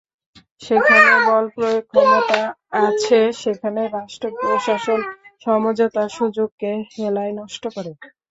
যেখানে বলপ্রয়োগের ক্ষমতা আছে, সেখানে রাষ্ট্র-প্রশাসন সমঝোতার সুযোগকে হেলায় নষ্ট করে।